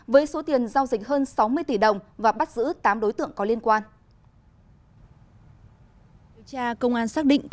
với số tiền giao dịch hơn sáu mươi tỷ đồng và bắt giữ tám đối tượng có liên quan